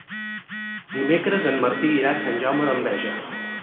Dimecres en Martí irà a Sant Jaume d'Enveja.